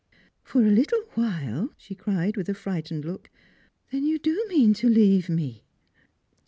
" For a Little while !" she cried, with a frightened look " Then you do mean to leave me